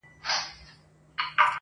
سترګي سرې غټه سینه ببر برېتونه-